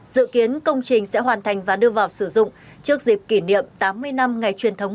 dự kiến công trình sẽ hoàn thành và đưa vào sử dụng trước dịp kỷ niệm tám mươi năm ngày truyền thống